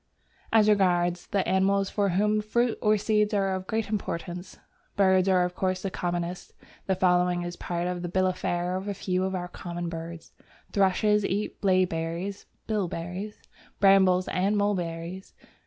As regards the animals for whom fruit or seeds are of great importance, birds are of course the commonest. The following is part of the bill of fare of a few of our common birds: Thrushes eat blaeberries (bilberries), brambles and mulberries.